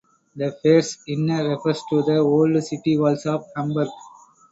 The phrase "inner" refers to the old city walls of Hamburg.